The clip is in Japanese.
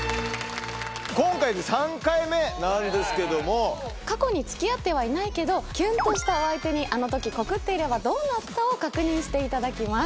お相手に過去に付き合ってはいないけどキュンとしたお相手にあの時告っていればどうなった？を確認していただきます。